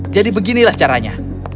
jadi beginilah caranya